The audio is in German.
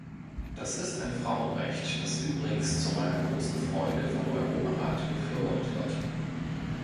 Das ist ein Frauenrecht, das übrigens zu meiner großen Freude vom Europarat befürwortet wird.